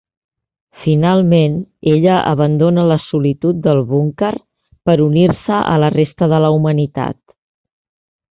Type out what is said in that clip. Finalment, ella abandona la solitud del búnquer per unir-se a la resta de la humanitat.